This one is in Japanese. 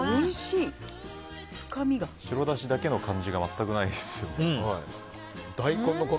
白だしだけの感じが全くないですよね。